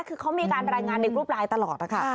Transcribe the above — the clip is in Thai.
คือเขามีการรายงานเด็กรูปรายตลอดค่ะ